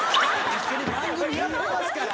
一緒に番組やってますから。